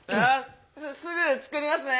あすぐ作りますね。